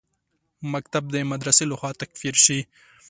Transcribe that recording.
مکتب د مدرسې لخوا تکفیر شي.